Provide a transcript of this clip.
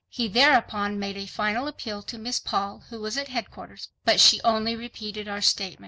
He thereupon made a final appeal to Miss Paul, who was at headquarters, but she only repeated our statement.